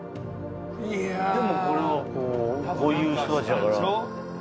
でもこういう人たちだから。